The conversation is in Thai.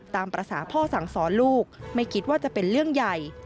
ตามภาษาพ่อสั่งสอนลูกไม่คิดว่าจะเป็นเรื่องใหญ่